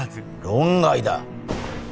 論外だ。